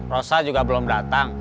rosa juga belum datang